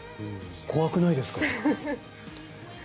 怖くないですか？